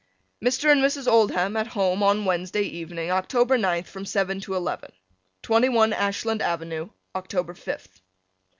Mr. and Mrs. Oldham at home on Wednesday evening October ninth from seven to eleven. 21 Ashland Avenue, October 5th.